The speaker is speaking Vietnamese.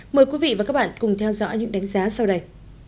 mời quý vị và các bạn cùng theo dõi những đánh giá sau đây